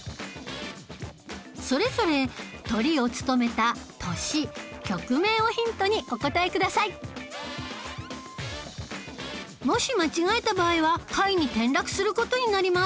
それぞれトリを務めた年曲名をヒントにお答えくださいもし間違えた場合は下位に転落する事になります